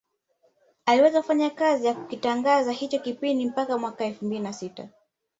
Aliweza kufanya kazi ya kukitangaza hicho kipindi mpaka mwaka elfu mbili na tisa